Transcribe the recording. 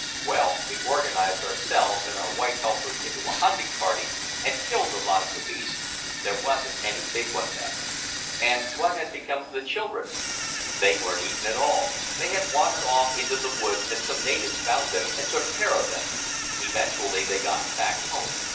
"Well, we organized ourselves and our white helpers into a hunting party and killed a lot of the beasts. There wasn't any big one though." "And what had become of the children?" "They weren't eaten at all. They had wandered off into the woods, and some natives found them and took care of them. Eventually, they got back home.